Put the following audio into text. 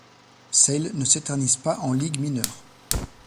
Sale ne s'éternise pas en Ligues mineures.